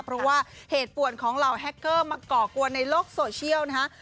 เพราะว่าเหตุป่วนของเหล่าแฮคเกอร์มาก่อกวนในโลกโซเชียลนะฮะ